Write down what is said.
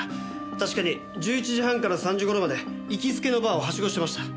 確かに１１時半から３時頃まで行きつけのバーをハシゴしてました。